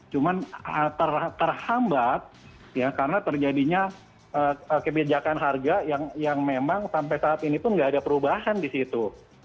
cuman terhambat karena terjadinya kebijakan harga yang memang sampai saat ini pun tidak ada perubahan di situ